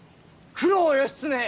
九郎義経